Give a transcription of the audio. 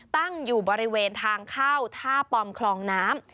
ตั้งอยู่บริเวณทางเข้าท่าปอมคลองน้ำ